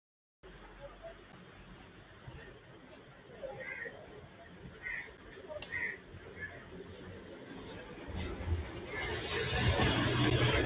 Bulgaria sent only one archer to Atlanta.